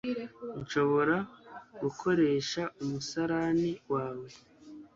nshobora gukoresha umusarani wawe